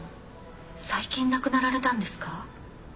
最近亡くなられたんですか？